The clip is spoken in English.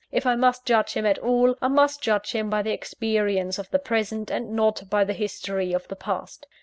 If I must judge him at all, I must judge him by the experience of the present, and not by the history of the past.